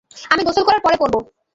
আমি গোসল করার পরে পড়ব।